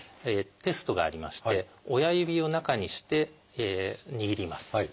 テストがありまして親指を中にして握ります。